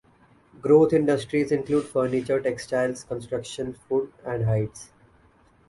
Growth industries include furniture, textiles, construction, food and hides.